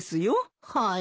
はい。